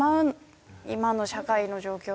今の社会の状況だと。